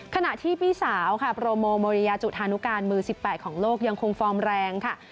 ขณะที่พี่สาวค่ะโปรโมโมริยาจุธานุการมือ๑๘ของโลกยังคงฟอร์มแรงค่ะ